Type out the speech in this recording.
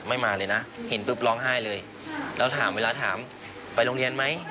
มาเลยนะเห็นปุ๊บร้องไห้เลยแล้วถามเวลาถามไปโรงเรียนไหม